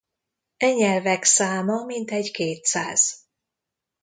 E nyelvek száma mintegy kétszáz.